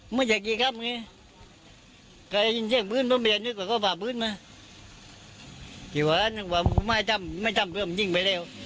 มีใครยิ่งเชี่ยงพื้นพร้อมแบบนี้ก็ฝ่าพื้นมาหรือว่าไม่ทำไม่ทำเพราะมันจริงไปแล้ว